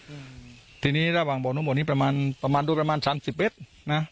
อืมทีนี้ระหว่างบ่อนุ่มวลนี้ประมาณประมาณดูประมาณชั้นสิบเอ็ดนะ